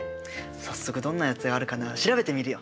早速どんなやつがあるかな調べてみるよ。